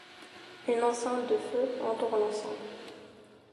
Une enceinte de feu entoure l'ensemble.